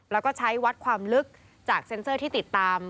แล้วก็ใช้วัดความลึกจากเซ็นเซอร์ที่ติดตาม